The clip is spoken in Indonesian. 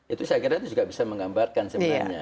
itu saya kira itu juga bisa menggambarkan sebenarnya